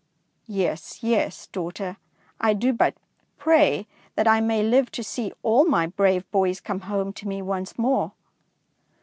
''" Yes, yes, daughter. I do but pray that I may live to see all my brave boys come home to me once more."